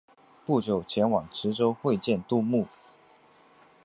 不久前往池州会见杜牧。